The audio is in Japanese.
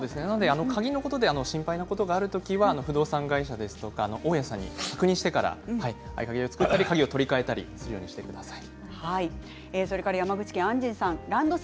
鍵のことで心配なことがある時は不動産会社や大家さんに確認してから合鍵を作ったり鍵を取り替えたりしてください。